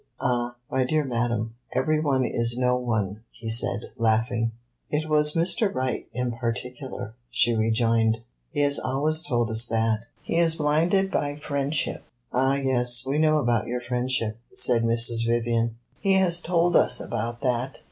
"Ah, my dear madam, every one is no one," he said, laughing. "It was Mr. Wright, in particular," she rejoined. "He has always told us that." "He is blinded by friendship." "Ah yes, we know about your friendship," said Mrs. Vivian. "He has told us about that."